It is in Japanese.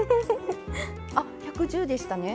あ１１０でしたね。